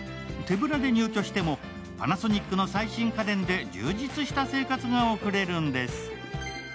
手ぶらで入居してもパナソニックの最新家電で充実した生活が送れるんです。